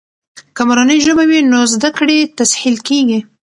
که مورنۍ ژبه وي، نو زده کړې تسهیل کیږي.